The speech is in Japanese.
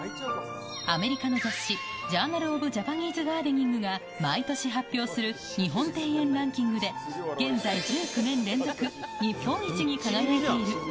アメリカの雑誌、ジャーナル・オブ・ジャパニーズ・ガーデニングが毎年発表する日本庭園ランキングで現在１９年連続、日本一に輝いている。